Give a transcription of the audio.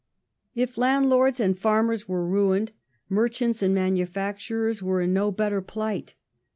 ^ If landlords and farmei s were ruined, merchants and manu Depres facturers were in no better plight.